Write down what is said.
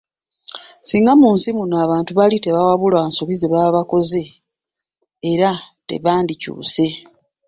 Singa mu nsi muno abantu baali tebawabulwa mu nsobi zebakola era tebandikyuse.